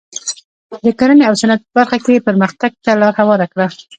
د کرنې او صنعت په برخه کې یې پرمختګ ته لار هواره کړه.